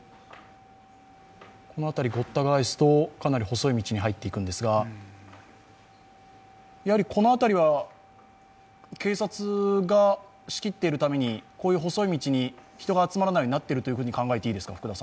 この辺り、ごった返すと、かなり細い道に入っていくんですが、この辺りは警察が仕切っているために、こういう細い道に人が集まらないようになっていると考えていいですか？